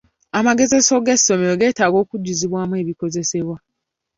Amagezeserezo g'essomero geetaaga okujjuzibwamu ebikozesebwa.